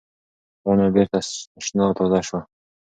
ونه بېرته شنه او تازه شوه.